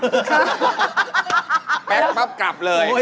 แล้วแปลกปั๊บกลับเลย